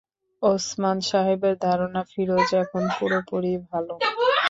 ওসমান সাহেবের ধারণা, ফিরোজ এখন পুরোপুরি ভালো।